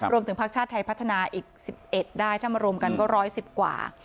รวมถึงพักชาติไทยพัฒนาอีกสิบเอ็ดได้ถ้ามารวมกันก็ร้อยสิบกว่า